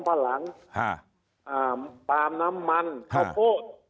ปลามน้ำมันข้าวโพด